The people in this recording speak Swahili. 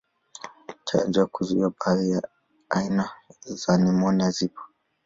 Chanjo za kuzuia baadhi ya aina za nimonia zipo.